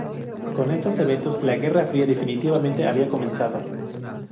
Con estos eventos, la Guerra Fría definitivamente había comenzado.